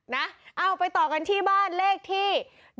เอาไปต่อกันที่บ้านเลขที่